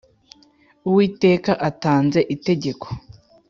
Uwiteka atanze itegeko